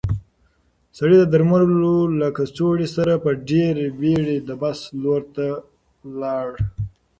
سړی د درملو له کڅوړې سره په ډېرې بیړې د بس لور ته لاړ.